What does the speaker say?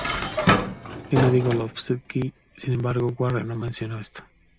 Gennady Golovkin, sin embargo, Warren no mencionó esto.